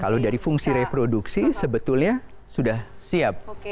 kalau dari fungsi reproduksi sebetulnya sudah siap